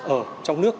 ở trong nước